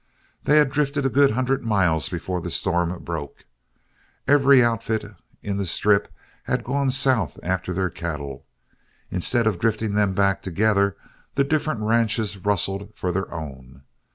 They had drifted a good hundred miles before the storm broke. Every outfit in the Strip had gone south after their cattle. Instead of drifting them back together, the different ranches rustled for their own.